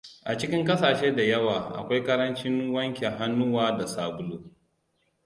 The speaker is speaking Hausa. A cikin ƙasashe da yawa akwai ƙarancin wanke hannuwa da sabulu.